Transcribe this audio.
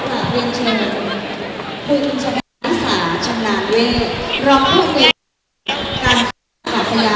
สวัสดีครับ